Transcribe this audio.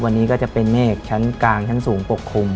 วันนี้ก็จะเป็นเมฆชั้นกลางชั้นสูงปกคลุม